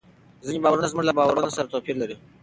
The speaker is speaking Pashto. ځینې باورونه زموږ له باورونو سره توپیر لري.